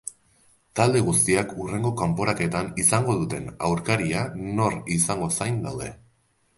Talde guztiak hurrengo kanporaketan izango duten aurkaria nor izango zain daude.